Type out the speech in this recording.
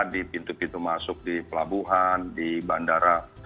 di pintu pintu masuk di pelabuhan di bandara